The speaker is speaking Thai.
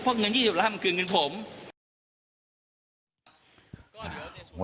เพราะเงิน๒๐ล้านมันคือเงินผม